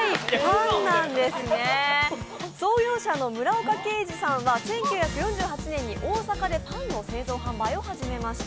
創業者の村岡慶二さんは大阪でパンの製造販売を始めました。